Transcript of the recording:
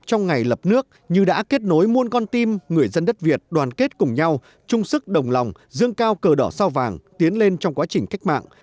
trong ngày lập nước như đã kết nối muôn con tim người dân đất việt đoàn kết cùng nhau chung sức đồng lòng dương cao cờ đỏ sao vàng tiến lên trong quá trình cách mạng